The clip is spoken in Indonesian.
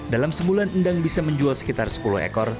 dalam sebulan endang bisa menjual sekitar sepuluh ekor